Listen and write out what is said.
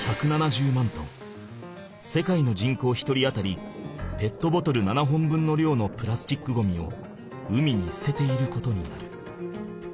世界の人口１人当たりペットボトル７本分のりょうのプラスチックゴミを海にすてていることになる。